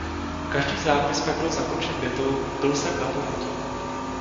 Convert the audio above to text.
Každý zápis pak byl zakončen větou "Pil jsem na pokutu".